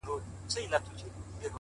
o د اله زار خبري ډېري ښې دي ـ